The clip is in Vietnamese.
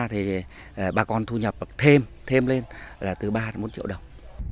thì bà con thu nhập thêm thêm lên là từ ba đến bốn triệu đồng